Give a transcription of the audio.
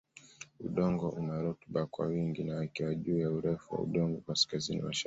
Udongo una Rutuba kwa wingi na yakiwa juu ya urefu wa udongo kaskazini mashariki